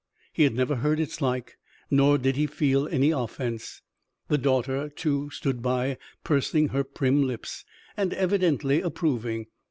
He had never heard its like, nor did he feel any offense. The daughter, too, stood by, pursing her prim lips, and evidently approving.